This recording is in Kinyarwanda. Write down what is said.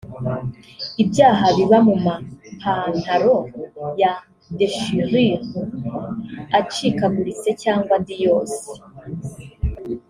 ibyaha biba mu mapantaro ya déchirure [acikaguritse] cyanda andi yose